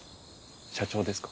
社長ですか？